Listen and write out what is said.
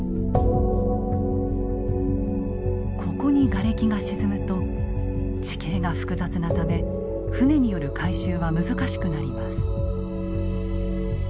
ここにガレキが沈むと地形が複雑なため船による回収は難しくなります。